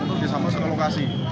untuk disambung ke lokasi